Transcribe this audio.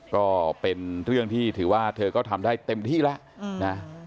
ก็เป็นเรื่องที่ถือว่าเธอก็ทำได้เต็มที่แล้วนะ